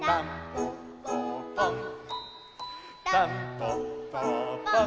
「たんぽっぽぽん！